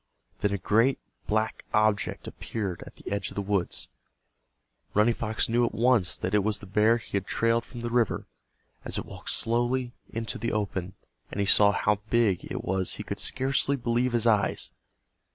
Then a great black object appeared at the edge of the woods. Running Fox knew at once that it was the bear he had trailed from the river. As it walked slowly into the open and he saw how big it was he could scarcely believe his eyes.